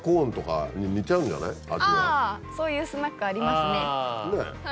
あぁそういうスナックありますね。